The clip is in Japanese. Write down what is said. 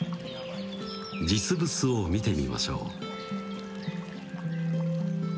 実物を見てみましょう。